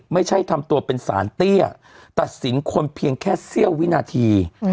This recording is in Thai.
ไม่ใช่ทำตัวเป็นสารเตี้ยตัดสินคนเพียงแค่เสี้ยววินาที